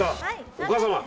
お母様。